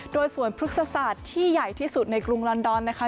โดยสวนพฤกษศาสตร์ที่ใหญ่ที่สุดในกรุงลอนดอนนะคะ